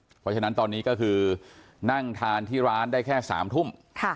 เพราะฉะนั้นตอนนี้ก็คือนั่งทานที่ร้านได้แค่๓ทุ่ม